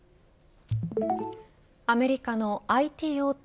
アメリカのＩＴ大手